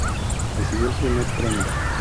Recibió el primer premio.